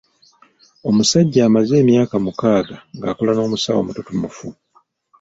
Omusajja amaze emyaka mukaaga ng’akola n’omusawo omututumufu.